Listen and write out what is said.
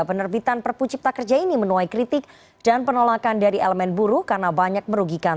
penerbitan perpu cipta kerja ini menuai kritik dan penolakan dari elemen buruh karena banyak merugikan